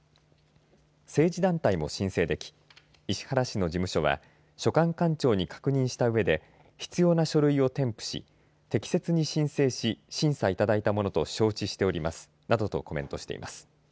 政治団体も申請でき石原氏の事務所は所管官庁に確認したうえで必要な書類を添付し適切に申請し審査いただいたものと承知しておりますなどとコメントしています。